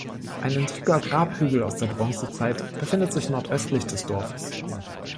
Ein antiker Grabhügel aus der Bronzezeit befindet sich nordöstlich des Dorfes.